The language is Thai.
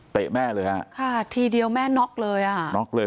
แม่เลยฮะค่ะทีเดียวแม่น็อกเลยอ่ะน็อกเลย